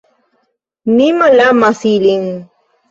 Mi malamas ilin.